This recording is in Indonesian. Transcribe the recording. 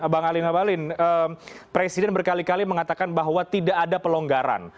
bang ali ngabalin presiden berkali kali mengatakan bahwa tidak ada pelonggaran